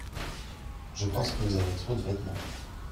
Je pense que vous avez trop de vêtements.